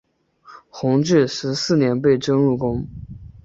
弘治十四年被征入宫。